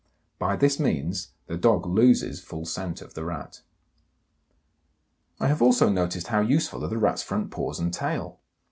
By this means the dog loses full scent of the Rat. I have also noticed how useful are the Rat's front paws and tail.